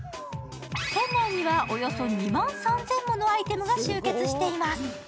店内にはおよそ２万３０００ものアイテムが集結しています。